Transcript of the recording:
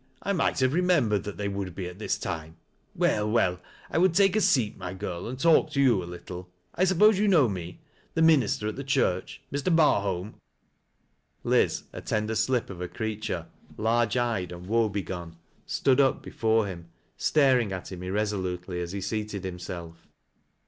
1 might have remembered that they would be at this time. Well, well ; I will take a seat, my girl, and talk to you a little. I suppose you know me, the minister at the church — Mr. Barholm." Liz, a slender slip of a creatui'e, large eyed, and woe begone, stood up before him, staring at him irresolutely as he seated himself.